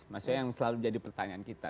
maksudnya yang selalu jadi pertanyaan kita